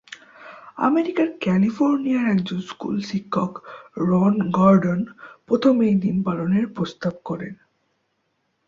আমেরিকার ক্যালিফোর্নিয়ার একজন স্কুল শিক্ষক, রন গর্ডন প্রথম এই দিন পালনের প্রস্তাব করেন।